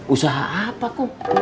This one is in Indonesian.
usaha apa kum